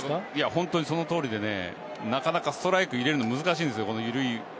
本当にその通りでなかなかストライク入れるの難しいんですよ。